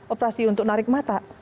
operasi untuk narik mata